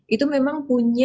itu memang punya